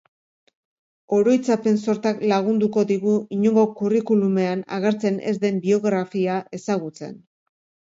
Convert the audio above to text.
Oroitzapen sortak lagunduko digu inongo curriculumean agertzen ez den biografia ezagutzen.